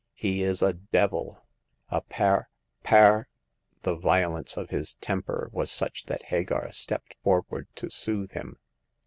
"He is a devil— a par— par !" The violence of his temper was such that Hagar stepped forward to soothe him.